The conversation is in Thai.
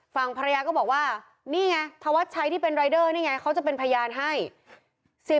ฝั่งภรรยาก็บอกว่านี่ไงธวัดชัยที่เป็นรายเดอร์นี่ไงเขาจะเป็นพยานให้